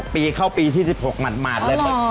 ปีเข้าปีที่๑๖หมาดเลย